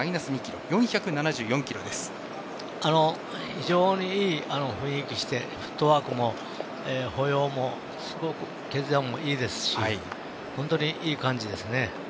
非常にいい雰囲気してフットワークも歩様もすごく毛づやもいいですし本当にいい感じですね。